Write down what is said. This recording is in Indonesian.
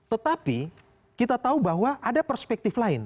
tetapi kita tahu bahwa ada perspektif lain